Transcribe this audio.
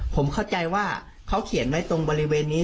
ผมเข้าใจว่าเขาเขียนไว้ตรงบริเวณนี้